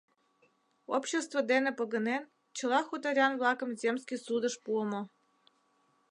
Общество дене погынен, чыла хуторян-влакым земский судыш пуымо.